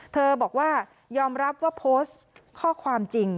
บอกว่ายอมรับว่าโพสต์ข้อความจริง